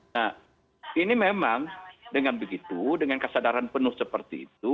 nah ini memang dengan begitu dengan kesadaran penuh seperti itu